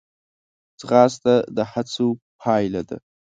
ځغاسته د هڅو پایله ده